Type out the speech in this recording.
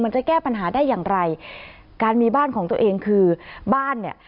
จะแก้ปัญหาได้อย่างไรการมีบ้านของตัวเองคือบ้านเนี่ย